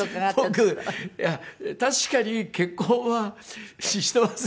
僕確かに結婚はしてます。